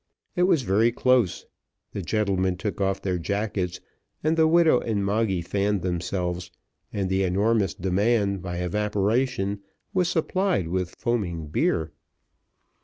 It was very close, the gentlemen took off their jackets, and the widow and Moggy fanned themselves, and the enormous demand by evaporation was supplied with foaming beer.